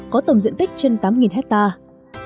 có tổng diện tích trên tám hectare